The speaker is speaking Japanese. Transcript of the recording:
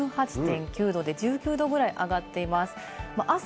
１８．９度で１９度ぐらい上がっています。